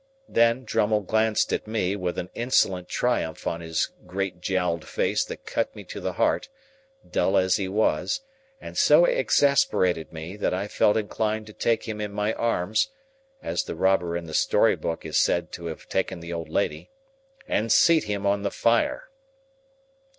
Then, Drummle glanced at me, with an insolent triumph on his great jowled face that cut me to the heart, dull as he was, and so exasperated me, that I felt inclined to take him in my arms (as the robber in the story book is said to have taken the old lady) and seat him on the fire.